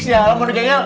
si alam manusianya